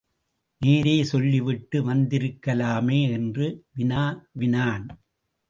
நேரே சொல்லிவிட்டு வந்திருக்கலாமே என்று வினாவினான்.